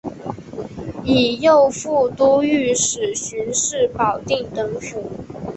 以右副都御史巡视保定等府。